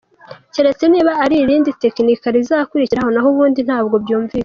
Keretse niba ari irindi tekinika rizakurikiraho naho ubundi ntabwo byunvikana.